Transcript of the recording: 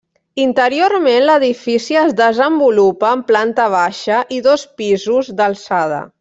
Interiorment l'edifici es desenvolupa en planta baixa i dos pisos d'alçada.